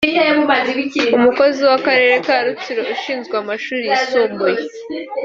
Umukozi w’Akarere ka Rutsiro ushinzwe amashuri yisumbuye